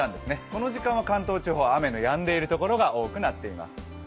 この時間は関東地方雨がやんでいる所が多くなっています。